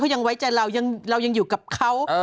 ยังไว้ใจเราเรายังอยู่กับเขา